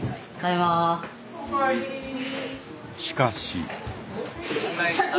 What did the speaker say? しかし。